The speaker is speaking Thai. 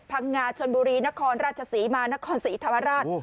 พังงาชนบุรีนครราชศรีมานครศรีธรรมราช